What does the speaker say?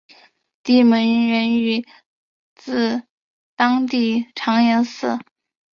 地名源自于当地的长延寺。